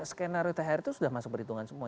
skenario thr itu sudah masuk perhitungan semua